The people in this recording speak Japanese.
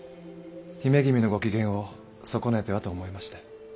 姫君のご機嫌を損ねてはと思いまして。